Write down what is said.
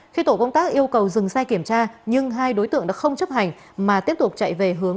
khi tổ công tác yêu cầu dừng xe kiểm tra nhưng hai đối tượng đã không chấp hành mà tiếp tục chạy về hướng